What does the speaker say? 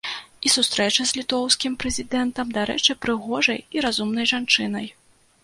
І сустрэча з літоўскім прэзідэнтам, дарэчы, прыгожай і разумнай жанчынай.